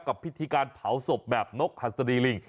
กับพิธีการเผาศพแบบนกหัสดีลิง